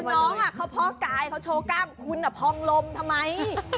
คุณน้องเพราะกายเขาโชว์แก้บคุณพองรมทำไม